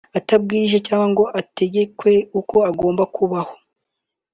utabwirijwe cyangwa ngo utegekwe uko ugomba kubaho